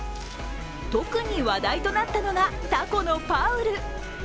特に話題となったのが、タコのパウル。